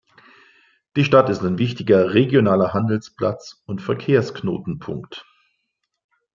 Die Stadt ist ein wichtiger regionaler Handelsplatz und Verkehrsknotenpunkt.